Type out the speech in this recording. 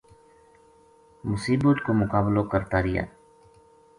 مصیبت کو مقابلو کرتا رہیا